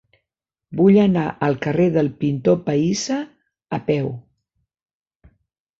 Vull anar al carrer del Pintor Pahissa a peu.